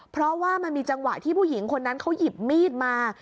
เพราะว่ามันมีจังหวะที่ผู้หญิงคนนั้นเขาหยิบมีดมา